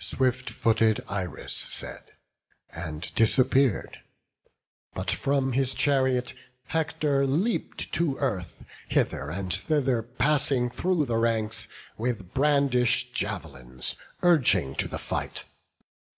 Swift footed Iris said, and disappear'd; But from his chariot Hector leap'd to earth, Hither and thither passing through the ranks, With brandish'd jav'lins urging to the fight.